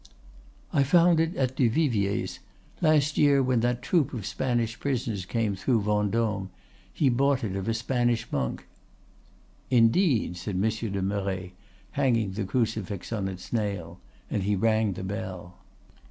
"'I found it at Duvivier's; last year when that troop of Spanish prisoners came through Vendôme, he bought it of a Spanish monk.' "'Indeed,' said Monsieur de Merret, hanging the crucifix on its nail; and he rang the bell.